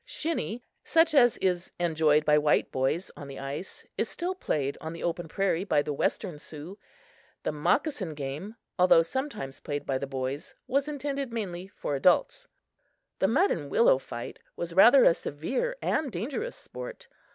Shinny, such as is enjoyed by white boys on the ice, is still played on the open prairie by the western Sioux. The "moccasin game," although sometimes played by the boys, was intended mainly for adults. The "mud and willow" fight was rather a severe and dangerous sport.